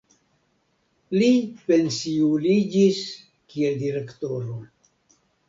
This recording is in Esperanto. Li pensiuliĝis kiel direktoro.